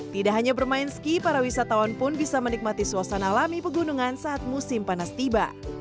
tidak hanya bermain ski para wisatawan pun bisa menikmati suasana alami pegunungan saat musim panas tiba